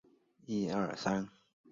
二硝基苯酚